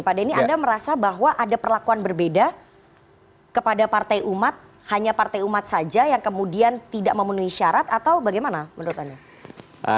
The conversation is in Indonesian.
pak denny anda merasa bahwa ada perlakuan berbeda kepada partai umat hanya partai umat saja yang kemudian tidak memenuhi syarat atau bagaimana menurut anda